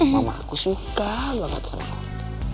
mama aku suka banget sama